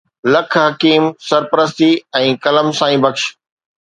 لک حڪيم سربستي ۽ ڪلم سائين بخش